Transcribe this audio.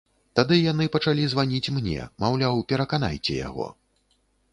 Тады яны пачалі званіць мне, маўляў, пераканайце яго.